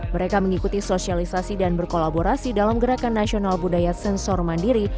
mereka mengikuti sosialisasi dan berkolaborasi dalam gerakan nasional budaya sensor mandiri